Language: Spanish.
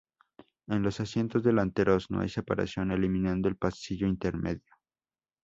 En los asientos delanteros no hay separación, eliminando el pasillo intermedio.